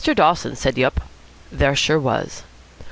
Dawson said Yup, there sure was.